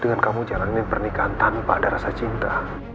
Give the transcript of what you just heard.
dengan kamu jalanin pernikahan tanpa ada rasa cinta